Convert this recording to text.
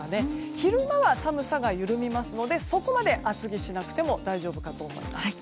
昼間は寒さが緩みますのでそこまで厚着しなくても大丈夫かと思います。